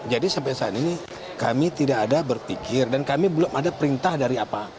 jadi sampai saat ini kami tidak ada berpikir dan kami belum ada perintah dari apa